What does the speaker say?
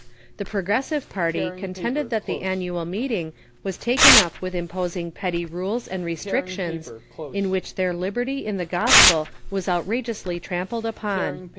The progressive party con tended that the Annual Meeting was taken up with imposing petty rules and restrictions, in which their liberty in the gos pel was outrageously trampled upon.